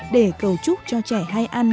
để cầu chúc cho trẻ hay ăn